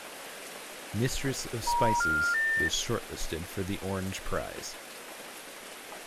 "Mistress of Spices" was short-listed for the Orange Prize.